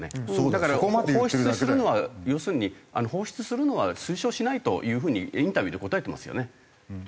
だから放出するのは要するに放出するのは推奨しないという風にインタビューで答えてますよね。